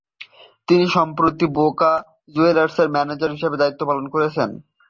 তিনি সম্প্রতি বোকা জুনিয়র্সের ম্যানেজার হিসেবে দায়িত্ব পালন করেছেন।